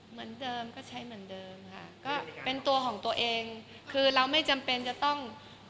เหมือนเดิมก็ใช้เหมือนเดิมค่ะก็เป็นตัวของตัวเองคือเราไม่จำเป็นจะต้อง